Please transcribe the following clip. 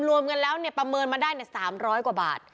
รวมเงินแล้วประเมินมาได้๓๐๐กว่าบาท